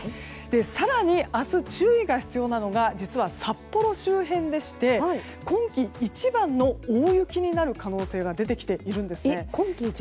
更に明日、注意が必要なのが実は札幌周辺でして今季一番の大雪になる可能性が出てきているんですね。